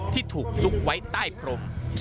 ที่ถูกซุกไว้ใต้กลม